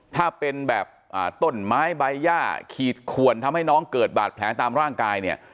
ถ้าเป็นแบบต้นไม้ใบย่าขีดขวนทำให้น้องเกิดบาดแผลตามร่างกายเนี่ย